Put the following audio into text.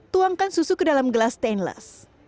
tuangkan susu ke dalam gelas stainless